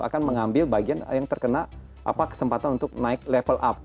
akan mengambil bagian yang terkena kesempatan untuk naik level up